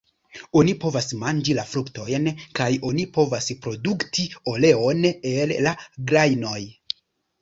Oni povas manĝi la fruktojn kaj oni povas produkti oleon el la grajnoj.